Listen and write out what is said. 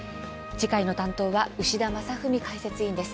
担当は牛田正史解説委員です。